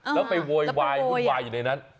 แล้วไปโวยวายวุ่นวายอยู่ในนั้น